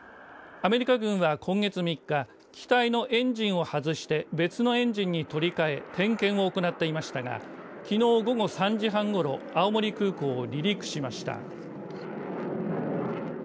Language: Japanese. アメリカ軍は今月３日機体のエンジンを外して別のエンジンに取り替え点検を行っていましたがきのう午後３時半ごろ青森空港を離陸しました。